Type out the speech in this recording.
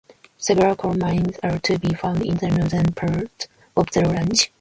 Several coal mines are to be found in the northern part of the range.